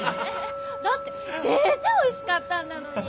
だってデージおいしかったんだのに。